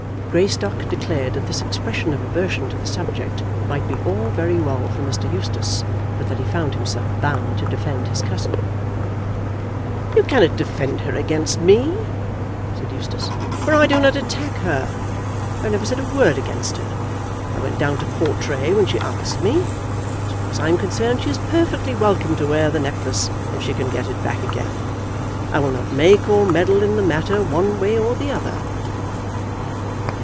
Greystock declared that this expression of aversion to the subject might be all very well for Mr. Eustace, but that he found himself bound to defend his cousin. "You cannot defend her against me," said Eustace, "for I do not attack her. I have never said a word against her. I went down to Portray when she asked me. As far as I am concerned she is perfectly welcome to wear the necklace, if she can get it back again. I will not make or meddle in the matter one way or the other."